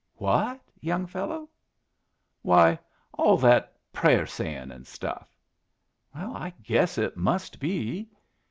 "What, young fellow?" "Why, all that prayer saying an' stuff." "I guess it must be."